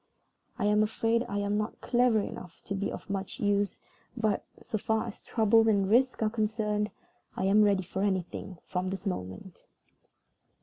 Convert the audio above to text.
I am afraid I am not clever enough to be of much use; but, so far as troubles and risks are concerned, I am ready for anything from this moment."